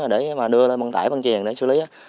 để mà đưa lên băng tải băng chiền để xử lý